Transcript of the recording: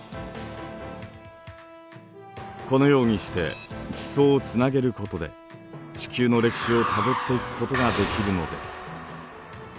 このようにして地層をつなげることで地球の歴史をたどっていくことができるのです。